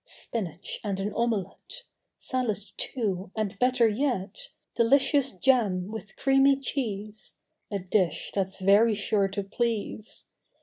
Spinach and an omelette, Salad, too, and better yet Delicious jam with creamy cheese— A dish that's very sure to please!